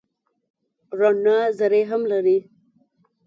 رڼا ذرې هم لري.